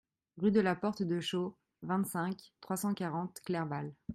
Rue de la Porte de Chaux, vingt-cinq, trois cent quarante Clerval